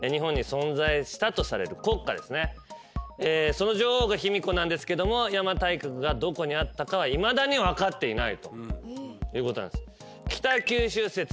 その女王が卑弥呼なんですけども邪馬台国がどこにあったかはいまだに分かっていないと。